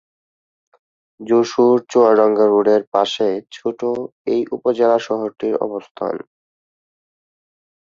যশোর চুয়াডাঙ্গা রোডের পাশে ছোট এই উপজেলা শহরটির অবস্থান।